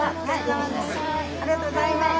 ありがとうございます。